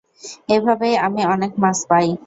এভাবেই আমি অনেক মাছ পাই।